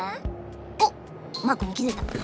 おっマークにきづいた。